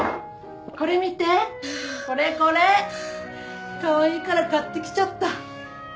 これ見てこれこれ。カワイイから買ってきちゃった。